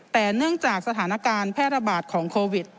แต่เนื่องจากสถานการณ์แพร่ระบาดของโควิด